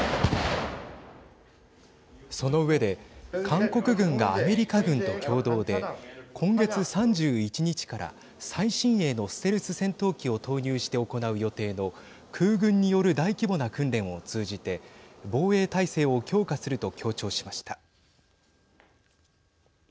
その上で韓国軍がアメリカ軍と共同で今月３１日から最新鋭のステルス戦闘機を投入して行う予定の空軍による大規模な訓練を通じて防衛態勢を強化すると強調しました。